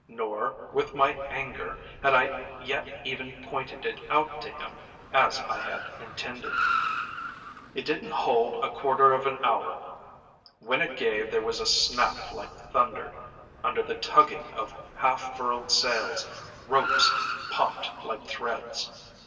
Nor, with my anger, had I yet even pointed it out to him as I had intended. It didn't hold a quarter of an hour. When it gave there was a snap like thunder. Under the tugging of half furled sails, ropes popped like threads.